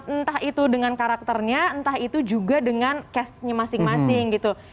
entah itu dengan karakternya entah itu juga dengan cashnya masing masing gitu